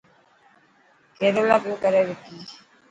ڪيريلا پيو ڪري وڪي.